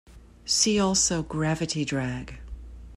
See also gravity drag.